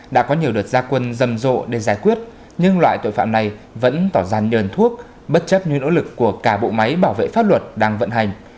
đã có nhiều đợt gia quân rầm rộ để giải quyết nhưng loại tội phạm này vẫn tỏ ra nhờn thuốc bất chấp những nỗ lực của cả bộ máy bảo vệ pháp luật đang vận hành